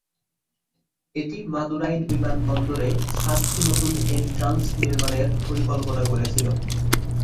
এটি মাদুরাই বিমান বন্দরে সাতটি নতুন এন্ট্রান্স নির্মাণের পরিকল্পনা করেছিল।